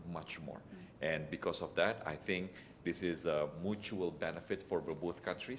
dan karena itu saya pikir ini adalah keuntungan yang berkaitan untuk kedua negara